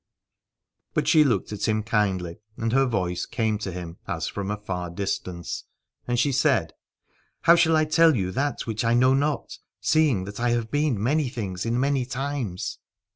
But she looked at him kindly, and her voice came to him as from a far distance, and she said : How shall I tell you that which I know not, seeing that I have been many things in many times?